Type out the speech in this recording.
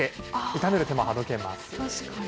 炒める手間が省けます。